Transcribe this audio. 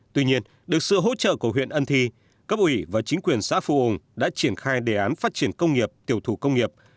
tuy nhiên được sự hỗ trợ của huyện ân thi cấp ủy và chính quyền xã phù u đã triển khai đề án phát triển công nghiệp tiểu thủ công nghiệp